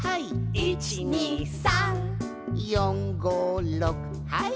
「１２３」「４５６はい」